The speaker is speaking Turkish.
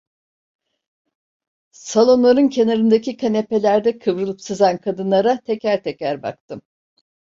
Salonların kenarındaki kanepelerde kıvrılıp sızan kadınlara teker teker baktım.